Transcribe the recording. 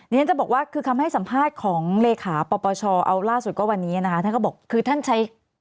นี่ฉันจะบอกว่าคือคำให้สัมภาษณ์ของรปชเอาล่าสุดก็วันนี้